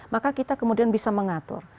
maka kita kemudian bisa mengatur